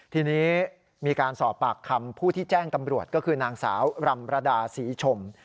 ทีนี้มีการสอบปากคำผู้ที่แจ้งตำรวจก็คือนางสาวรำระดาศรีชม